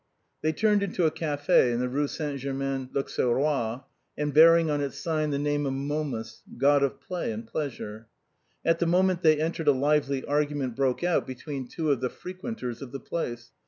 They turned into a café in the Eue Saint Germain I'Auxerrois, and bearing on its sign the name of Momus, god of play and pleasure. At the moment they entered a lively argument broke out between two of the frequenters of the place.